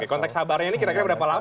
konteks sabarnya ini kira kira berapa lama